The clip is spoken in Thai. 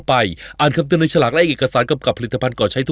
ใส่น้ำเนี่ยเนี่ย